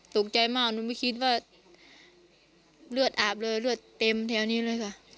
ตกใจมากหนูไม่คิดว่าเลือดอาบเลยเลือดเต็มแถวนี้เลยค่ะ